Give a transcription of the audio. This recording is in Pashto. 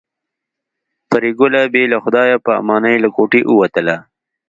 پري ګله بې له خدای په امانۍ له کوټې ووتله